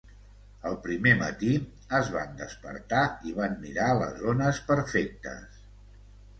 El primer matí, es van despertar i van mirar les ones perfectes.